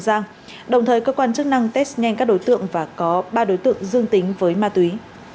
giang đồng thời cơ quan chức năng test nhanh các đối tượng và có ba đối tượng dương tính với ma túy